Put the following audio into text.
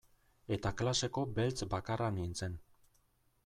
Eta klaseko beltz bakarra nintzen.